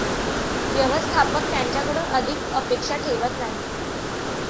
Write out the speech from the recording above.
व्यवस्थापक त्यांच्याकडून अधिक अपेक्षा ठेवत नाहीत.